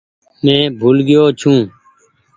مين ڀول گئيو ڇون۔